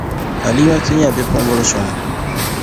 Alimatu nyεla bipuɣinbil' suŋ.